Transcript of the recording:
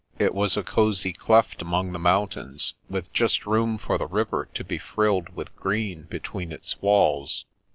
It was a cosey cleft among the mountains, with just room for the river to be frilled with green between its walls.